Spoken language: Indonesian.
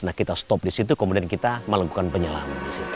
nah kita stop di situ kemudian kita melakukan penyelam